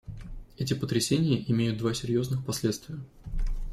Эти потрясения имеют два серьезных последствия.